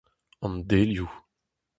An delioù.